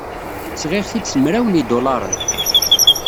Sɣiɣ-t-id s mraw n yidulaṛen.